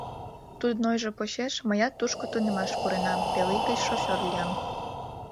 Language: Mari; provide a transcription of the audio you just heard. Тудын ойжо почеш мыят тушко тунемаш пуренам, пел ий гыч шофёр лиям.